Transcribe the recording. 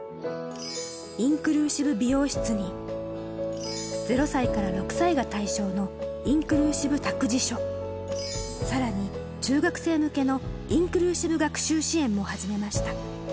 インクルーシブ美容室に、０歳から６歳が対象のインクルーシブ託児所、さらに、中学生向けのインクルーシブ学習支援も始めました。